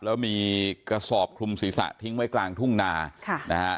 แล้วมีกระสอบคลุมศีรษะทิ้งไว้กลางทุ่งนาค่ะนะฮะ